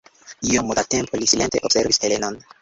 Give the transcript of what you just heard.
Iom da tempo li silente observis Helenon.